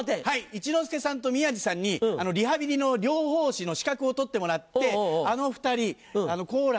一之輔さんと宮治さんにリハビリの療法士の資格を取ってもらってあの２人好楽